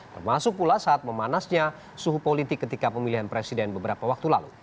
termasuk pula saat memanasnya suhu politik ketika pemilihan presiden beberapa waktu lalu